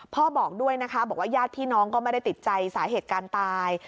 บอกด้วยนะคะบอกว่าญาติพี่น้องก็ไม่ได้ติดใจสาเหตุการณ์ตาย